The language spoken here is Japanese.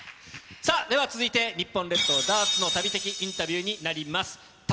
さあ、では続いて、日本列島ダーツの旅的インタビューになります。